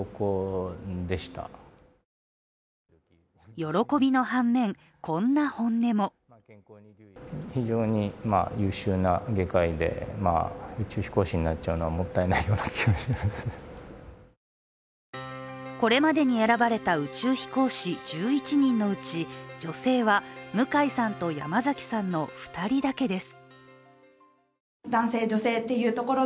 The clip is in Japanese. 喜びの反面、こんな本音もこれまでに選ばれた宇宙飛行士１１人のうち女性は向井さんと山崎さんの２人だけです。